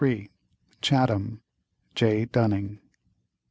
"CHATHAM, "J. DUNNING."